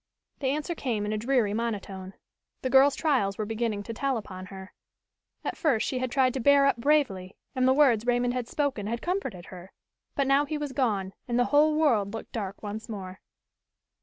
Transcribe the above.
The answer came in a dreary monotone. The girl's trials were beginning to tell upon her. At first she had tried to bear up bravely, and the words Raymond had spoken had comforted her, but now he was gone and the whole world looked dark once more.